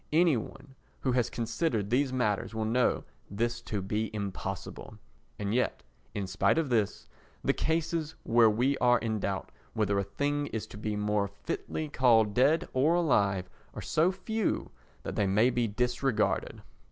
Any one who has considered these matters will know this to be impossible. And yet in spite of this, the cases where we are in doubt whether a thing is to be more fitly called dead or alive are so few that they may be disregarded.